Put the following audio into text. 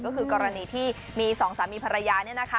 ก็คือกรณีที่มี๒สามีภรรยาเนี่ยนะคะ